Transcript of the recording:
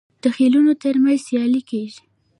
د خیلونو ترمنځ سیالي کیږي.